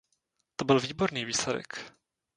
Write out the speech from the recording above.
To byl výborný výsledek.